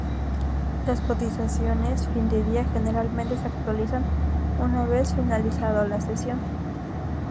Las cotizaciones fin de día generalmente se actualizan una vez ha finalizado la sesión.